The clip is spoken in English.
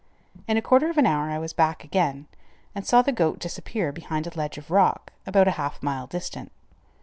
In a quarter of an hour I was back again and saw the goat disappear behind a ledge of rock about a half mile distant.